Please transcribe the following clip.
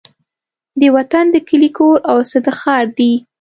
د وطن د کلي کور او څه د ښار دي